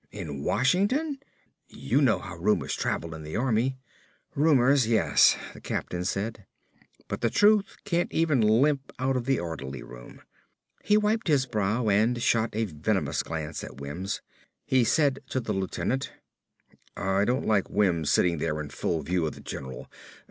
"In Washington?" "You know how rumors travel in the Army." "Rumors, yes," the captain said, "but the truth can't even limp out of the orderly room." He wiped his brow and shot a venomous glance at Wims. He said to the lieutenant, "I don't like Wims sitting there in full view of the general.